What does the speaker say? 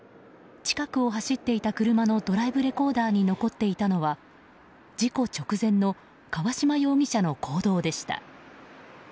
近くを走っていた車のドライブレコーダーに残っていたのは、事故直前の川島容疑者の行動でした。